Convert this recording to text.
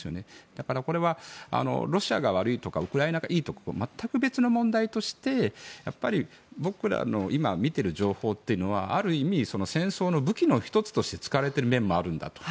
だからこれは、ロシアが悪いとかウクライナがいいとかは全く別の問題として僕らの今見ている情報というのはある意味戦争の武器の１つとして使われている面もあるんだと。